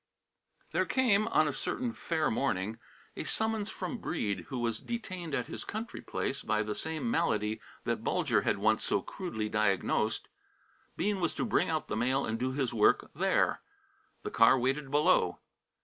There came, on a certain fair morning, a summons from Breede, who was detained at his country place by the same malady that Bulger had once so crudely diagnosed. Bean was to bring out the mail and do his work there. The car waited below.